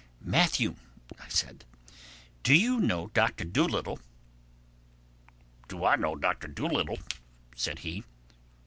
"Matthew," I said, "do you know Doctor Dolittle?" "Do I know John Dolittle!" said he.